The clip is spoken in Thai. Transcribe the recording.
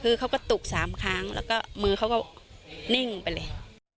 คือเขาก็ตุก๓ครั้งแล้วก็มือเขาก็นิ่งไปเลย